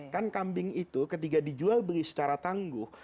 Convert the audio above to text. kan kambing itu ketika dijual beli secara tangguh